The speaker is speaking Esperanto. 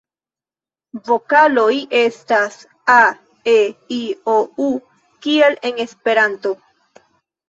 Vokaloj estas: a,e,i,o,u kiel en Esperanto.